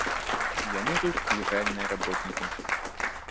Яны тут легальныя работнікі.